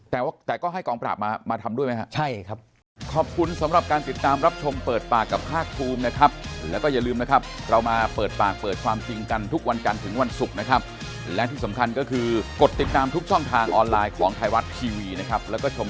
แต่ก็ให้กองปราบมาทำด้วยไหมครับ